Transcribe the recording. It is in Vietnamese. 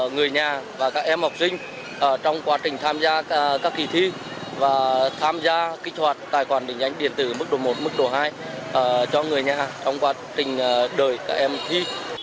người nhà và các em học sinh trong quá trình tham gia các kỳ thi và tham gia kỹ thuật tài khoản đỉnh ánh điện tử mức độ một mức độ hai cho người nhà trong quá trình đợi các em thi